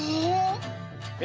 え。